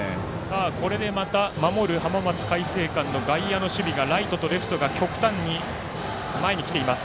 これでまた守る浜松開誠館の外野の守備がライトとレフトに極端に前に来ています。